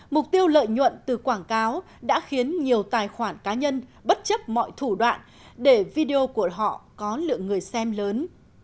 mục tiêu lợi nhuận từ quảng cáo đã khiến nhiều tài khoản cá nhân bất chấp mọi thủ đoạn để video của họ có lượng người xem lớn